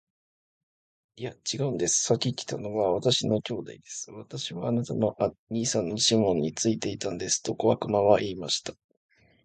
「いや、ちがうんです。先来たのは私の兄弟です。私はあなたの兄さんのシモンについていたんです。」と小悪魔は言いました。